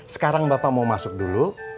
sekarang bapak mau masuk dulu